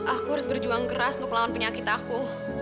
aku harus berjuang keras untuk melawan penyakit aku